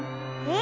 え